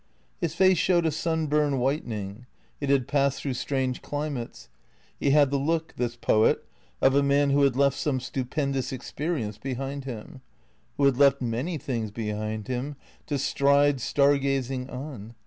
His face showed a sunburn whitening. It had passed through strange climates. He had the look, this poet, of a man who had left some stupendous experience behind him; who had left many things behind him, to stride, star gazing, on.